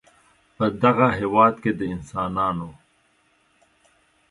په دغه هېواد کې د انسانانو